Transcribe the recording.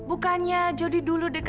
bukannya jodi dulu dekatnya